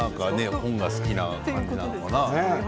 本が好きな感じなのかな？